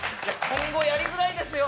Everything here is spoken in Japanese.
今後やりづらいですよ。